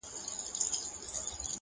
ښــه دى چـي پــــــه زوره سـجــده نه ده،